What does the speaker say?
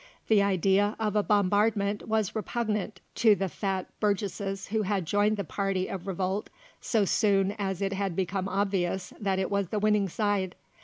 The idea of a bombardment was repugnant to the fat burgesses who had joined the party of revolt so soon as it had become obvious that it was the winning side.